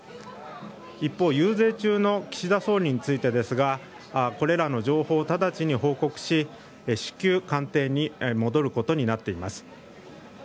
一方、遊説中の岸田総理についてですがこれらの情報を直ちに報告し至急、官邸に戻ることになっています。